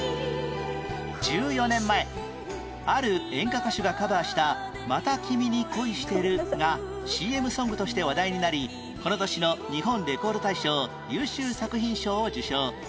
１４年前ある演歌歌手がカバーした『また君に恋してる』が ＣＭ ソングとして話題になりこの年の日本レコード大賞優秀作品賞を受賞